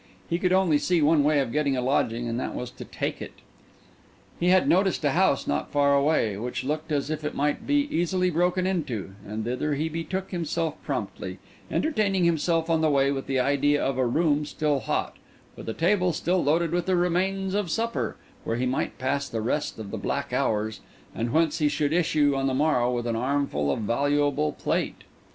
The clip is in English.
He could only see one way of getting a lodging, and that was to take it. He had noticed a house not far away, which looked as if it might be easily broken into, and thither he betook himself promptly, entertaining himself on the way with the idea of a room still hot, with a table still loaded with the remains of supper, where he might pass the rest of the black hours, and whence he should issue, on the morrow, with an armful of valuable plate.